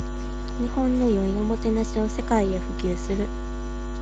日本の良いおもてなしを世界へ普及する